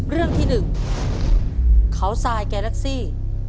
เรื่องที่หนึ่งเขาสายแกล็กซี่